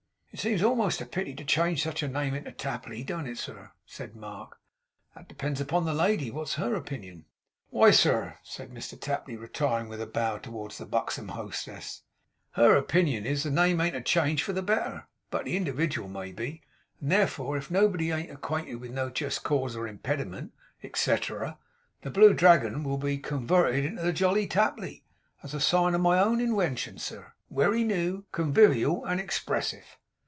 'It seems a'most a pity to change such a name into Tapley. Don't it, sir?' said Mark. 'That depends upon the lady. What is HER opinion?' 'Why, sir,' said Mr Tapley, retiring, with a bow, towards the buxom hostess, 'her opinion is as the name ain't a change for the better, but the indiwidual may be, and, therefore, if nobody ain't acquainted with no jest cause or impediment, et cetrer, the Blue Dragon will be con werted into the Jolly Tapley. A sign of my own inwention, sir. Wery new, conwivial, and expressive!